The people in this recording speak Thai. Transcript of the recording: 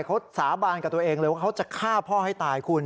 เขาสาบานกับตัวเองเลยว่าเขาจะฆ่าพ่อให้ตายคุณ